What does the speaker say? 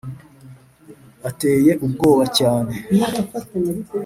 ateye ubwoba cyane